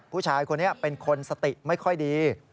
ผู้ชายคนนี้เป็นคนสติไม่ค่อยดี